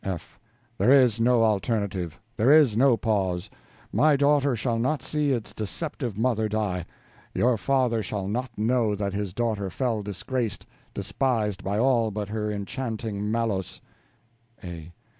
F. There is no alternative, there is no pause: my daughter shall not see its deceptive mother die; your father shall not know that his daughter fell disgraced, despised by all but her enchanting Malos. A.